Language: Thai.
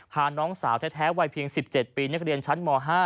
น้องสาวแท้วัยเพียง๑๗ปีนักเรียนชั้นม๕